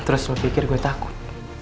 terus lu pikir gua takut